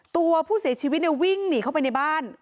ตัวผู้เสียชีวิตเนี่ยวิ่งหนีเข้าไปในบ้าน